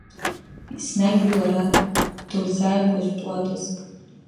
Еснагь уи лара дылзааигәазтәуадаз.